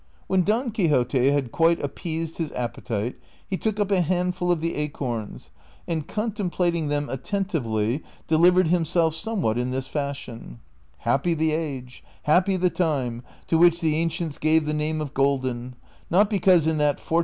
AVlien Don Quixote had quite appeased his appetite, he took iqi a handful of the acorns, and contemplating them attentively de livered himself somewhat in this fashion :'^" Happy the age, happy the time, to which the ancients gave the name of golden, not because in that fortu.